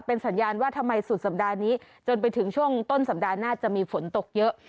เป็นสัญญาณว่าทำไมสุดสัปดาห์นี้จนไปถึงช่วงต้นสัปดาห์หน้าจะมีฝนตกเยอะ